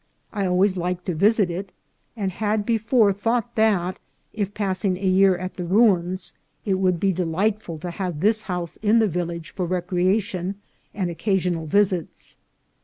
I always liked to visit it, and had before thought that, if passing a year at the ruins, it would be delightful to have this house in the village for rec reation and occasional visits.